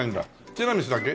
ティラミスだけ？